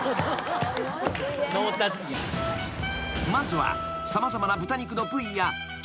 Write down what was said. ［まずは様々な豚肉の部位や金